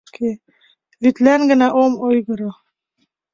Вӱдлан гына ом ойгыро.